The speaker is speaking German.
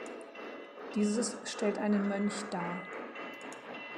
Dieses stellt einen Mönch dar.